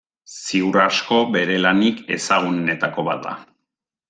Ziur asko, bere lanik ezagunenetako bat da.